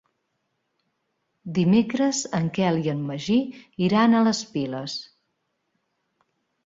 Dimecres en Quel i en Magí iran a les Piles.